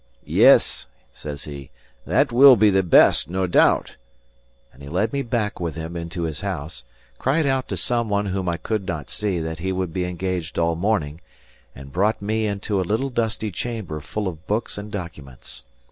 "Yes," says he, "that will be the best, no doubt." And he led me back with him into his house, cried out to some one whom I could not see that he would be engaged all morning, and brought me into a little dusty chamber full of books and documents.